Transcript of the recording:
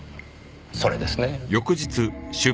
それですね。